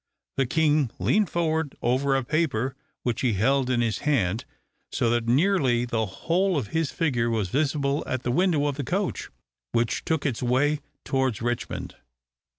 The king leaned forward over a paper which he held in his hand, so that nearly the whole of his figure was visible at the window of the coach, which took its way towards Richmond.